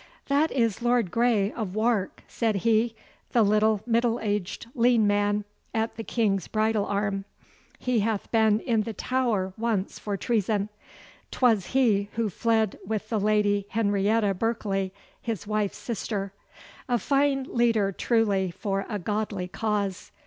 'That is Lord Grey of Wark,' said he; 'the little middle aged lean man at the King's bridle arm. He hath been in the Tower once for treason. 'Twas he who fled with the Lady Henrietta Berkeley, his wife's sister. A fine leader truly for a godly cause!